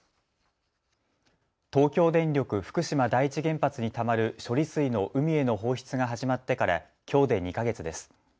東京電力福島第一原発にたまる処理水の海への放出が始まってからきょうで２か月です。